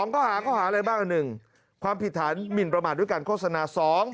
ข้อหาข้อหาอะไรบ้าง๑ความผิดฐานหมินประมาทด้วยการโฆษณา๒